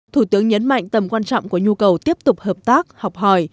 thủ tướng nhấn mạnh tầm quan trọng của nhu cầu tiếp tục hợp tác học hỏi